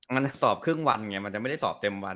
มันสอบครึ่งวันไงมันจะไม่ได้สอบเต็มวัน